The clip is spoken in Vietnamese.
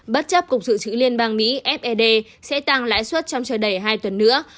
bất chấp cuộc sự trữ liên bang mỹ fed sẽ tăng lãi suất trong trời đầy hai tuần nữa